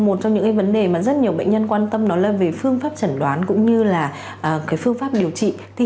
một trong những vấn đề mà rất nhiều bệnh nhân quan tâm đó là về phương pháp chẩn đoán cũng như là phương pháp điều trị